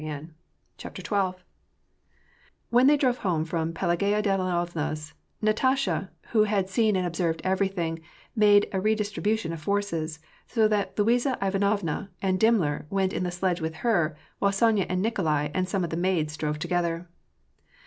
J CHAPTER XII When they drove home from Pelagaya Danilovna's, Nata sha, who had seen and observed everything, made a redistri bution of forces ; so that Luiza Ivanovna and Dimmler went in the sledge with her, while Sonya and Nikolai and some of the maids drove together.